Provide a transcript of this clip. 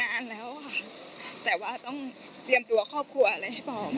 นานแล้วค่ะแต่ว่าต้องเตรียมตัวครอบครัวอะไรให้พร้อม